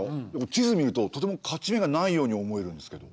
地図見るととても勝ち目がないように思えるんですけど。